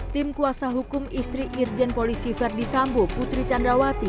tim kuasa hukum istri irjen polisi verdi sambo putri candrawati